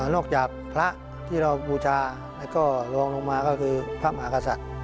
จากพระที่เราบูชาแล้วก็ลองลงมาก็คือพระมหากษัตริย์